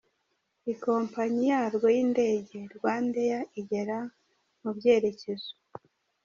Ikompanyi yarwo y’indege, RwandAir, igera mu byerekezo